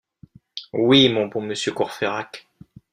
Oui, mon bon monsieur Courfeyrac.